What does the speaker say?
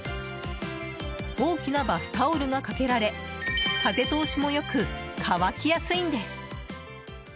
大きなバスタオルがかけられ風通しも良く、乾きやすいんです。